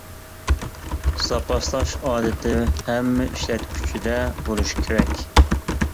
زاپاسلاش ئادىتى ھەممە ئىشلەتكۈچىدە بولۇشى كېرەك.